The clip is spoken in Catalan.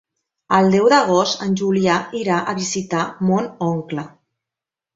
El deu d'agost en Julià irà a visitar mon oncle.